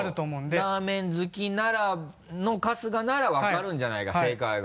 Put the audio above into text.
ラーメン好きの春日なら分かるんじゃないか正解が。